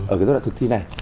ở cái giai đoạn thực thi này